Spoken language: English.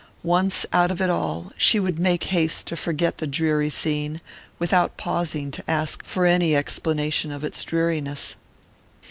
Once out of it all, she would make haste to forget the dreary scene without pausing to ask for any explanation of its dreariness.